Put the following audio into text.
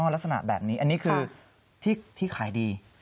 ลักษณะแบบนี้อันนี้คือที่ขายดี